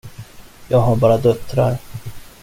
Jag har bara döttrar.